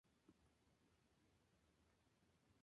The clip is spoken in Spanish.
Tomaron la ruta de Salta y Jujuy.